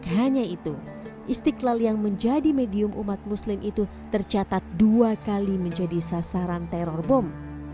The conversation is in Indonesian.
hanya itu istiqlal yang menjadi medium umat muslim itu tercatat dua kali menjadi sasaran teror bom